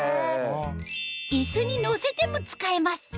椅子に乗せても使えます